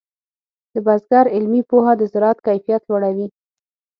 د بزګر علمي پوهه د زراعت کیفیت لوړوي.